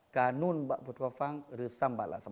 danun bakputuafang resambalak